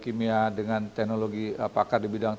kimia dengan teknologi pakar di bidang